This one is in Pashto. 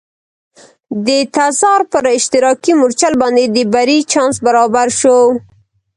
د تزار پر اشتراکي مورچل باندې د بري چانس برابر شو.